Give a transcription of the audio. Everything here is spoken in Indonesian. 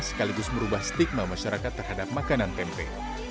sekaligus merubah stigma masyarakat terhadap makanan tempe